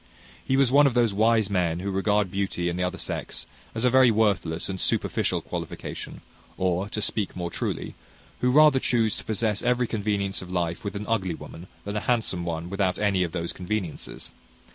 He was one of those wise men who regard beauty in the other sex as a very worthless and superficial qualification; or, to speak more truly, who rather chuse to possess every convenience of life with an ugly woman, than a handsome one without any of those conveniences.